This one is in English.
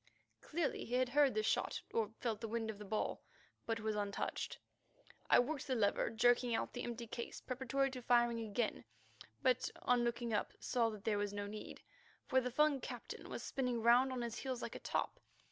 Clearly he had heard the shot or felt the wind of the ball, but was untouched. I worked the lever jerking out the empty case, preparatory to firing again, but on looking up saw that there was no need, for the Fung captain was spinning round on his heels like a top.